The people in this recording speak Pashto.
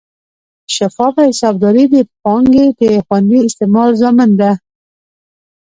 شفافه حسابداري د پانګې د خوندي استعمال ضامن ده.